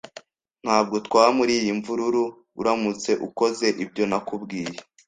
Ntabwo twaba muriyi mvururu uramutse ukoze ibyo nakubwiye.